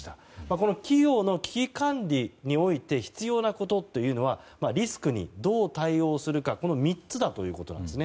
この企業の危機管理において必要なことというのはリスクにどう対応するかこの３つだということです。